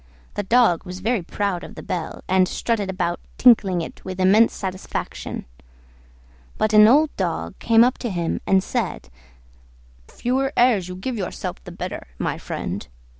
The Dog was very proud of the bell, and strutted about tinkling it with immense satisfaction. But an old dog came up to him and said, "The fewer airs you give yourself the better, my friend.